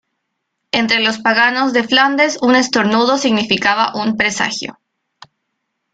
Entre los paganos de Flandes un estornudo significaba un presagio.